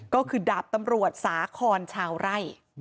ก็คือดาบตำรวจสาคอนชาวไร่